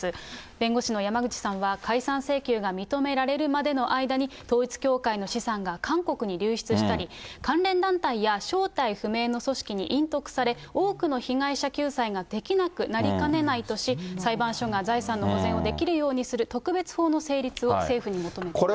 弁護士の山口さんは、解散請求が認められるまでの間に、統一教会の資産が韓国に流出したり、関連団体や正体不明の組織に隠匿され、多くの被害者救済ができなくなりかねないとし、裁判所が財産の保全をできるようにする特別法の成立を政府に求めています。